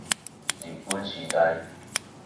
日本時代